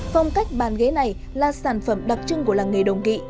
phong cách bàn ghế này là sản phẩm đặc trưng của làng nghề đồng kỵ